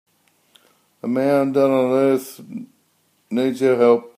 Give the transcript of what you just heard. A man down on earth needs our help.